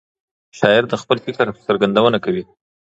شاعر د خپل فکر څرګندونه کوي.